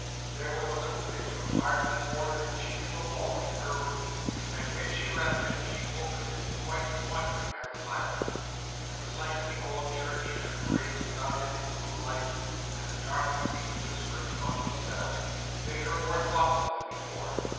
There was a little window, hardly more than a chink in the wall, in her room, and when she left him, she opened it, quite wondering at the silence. The sight of the old church, and the graves about it in the moonlight, and the dark trees whispering among themselves, made her more thoughtful than before.